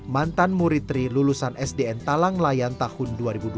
mantan murid tri lulusan sdn talang layan tahun dua ribu dua belas